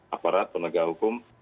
aparat penegak hukum